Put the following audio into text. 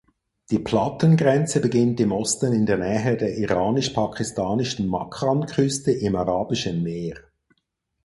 Die Plattengrenze beginnt im Osten in der Nähe der iranisch-pakistanischen Makran-Küste im Arabischen Meer.